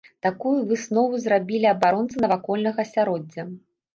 Такую выснову зрабілі абаронцы навакольнага асяроддзя.